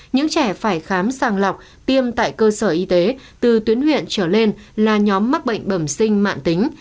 những trẻ phải khám sàng lọc tiêm tại cơ sở y tế từ tuyến huyện trở lên là nhóm mắc bệnh bẩm sinh mạng tính